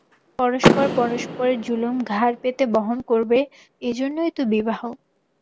পরস্পর পরস্পরের জুলুম ঘাড় পেতে বহন করবে, এইজন্যেই তো বিবাহ।